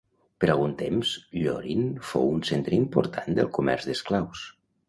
Per algun temps Ilorin fou un centre important del comerç d'esclaus.